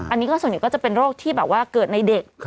อันนี้ส่วนใหญ่ก็จะเป็นโรคที่เกิดในเด็ก